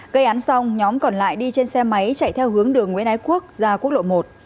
gây án xong nhóm còn lại đi trên xe máy chạy theo hướng đường nguyễn ái quốc ra quốc lộ một